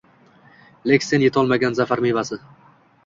Lek sen yetolmagan zafar mevasi.